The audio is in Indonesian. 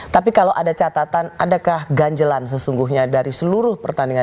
tapi kalau ada catatan adakah ganjelan sesungguhnya dari seluruh pertandingan